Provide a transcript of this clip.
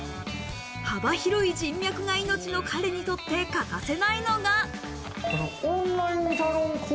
幅広い人脈が命の彼にとって欠かせないのが。